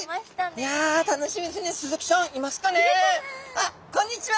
あっこんにちは！